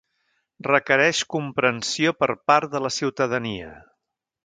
Requereix comprensió per part de la ciutadania.